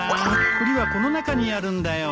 栗はこの中にあるんだよ。